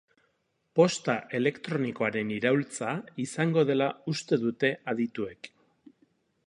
Posta elektronikoaren iraultza izango dela uste dute adituek.